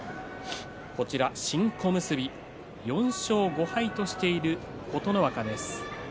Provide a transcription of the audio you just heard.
新小結、４勝５敗としている琴ノ若です。